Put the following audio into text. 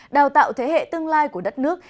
đào tạo thế hệ tương lai của đất nước